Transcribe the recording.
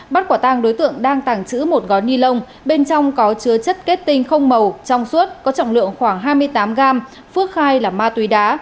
bắt quả tang đối tượng đang tàng trữ một gói ni lông bên trong có chứa chất kết tinh không màu trong suốt có trọng lượng khoảng hai mươi tám gram phước khai là ma túy đá